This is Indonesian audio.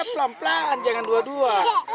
pelan pelan jangan dua dua